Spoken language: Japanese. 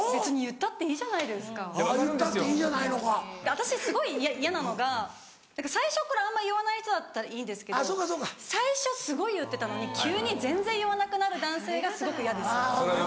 私すごい嫌なのが最初からあんま言わない人だったらいいですけど最初すごい言ってたのに急に全然言わなくなる男性がすごく嫌です。